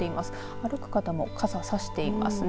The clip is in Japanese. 歩く方も傘を差していますね。